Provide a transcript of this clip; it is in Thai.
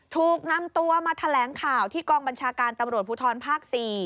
ถูกนำตัวมาแถลงข่าวที่กองบัญชาการตำรวจภูทรภาค๔